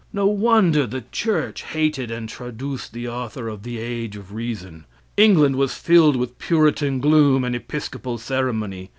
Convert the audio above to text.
No wonder the church hated and traduced the author of the "Age of Reason." England was filled with Puritan gloom and Episcopal ceremony.